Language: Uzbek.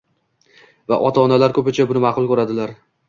va ota-onalar ko‘pincha buni ma’qul ko‘radilar.